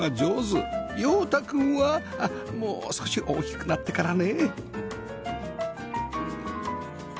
陽太くんはもう少し大きくなってからね